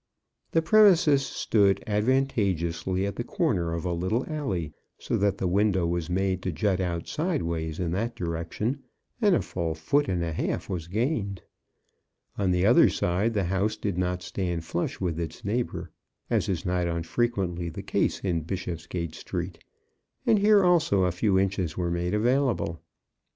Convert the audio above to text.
The premises stood advantageously at the comer of a little alley, so that the window was made to jut out sideways in that direction, and a full foot and a half was gained. On the other side the house did not stand flush with its neighbour, as is not unfrequently the case in Bishopsgate Street, and here also a few inches were made available.